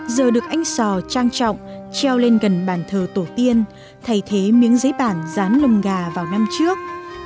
giờ được anh sò trang trọng treo lên gần bàn thờ tổ tiên thay thế miếng giấy bản dán lồng gà vào năm trước